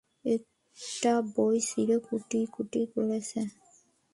একটা বই ছিঁড়ে কুটিকুটি করেছে।